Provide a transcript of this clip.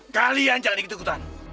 kalian jangan begitu kutahan